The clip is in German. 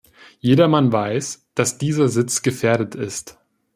Jedermann weiß, dass dieser Sitz gefährdet ist.